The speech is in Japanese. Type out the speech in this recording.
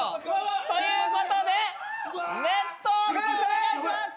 ということで熱湯風船お願いします！